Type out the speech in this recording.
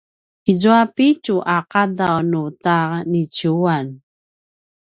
izua pitju a qadaw nu ta niciuan